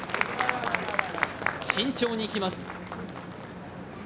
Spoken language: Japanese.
慎重に行きます。